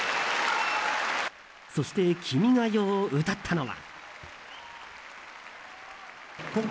そして「君が代」を歌ったのは。